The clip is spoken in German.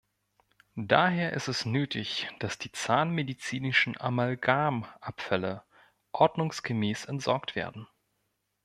Daher ist es nötig, dass die zahnmedizinischen Amalgamabfälle ordnungsgemäß entsorgt werden.